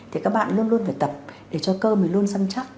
thì các bạn luôn luôn phải tập để cho cơ mới luôn xâm chắc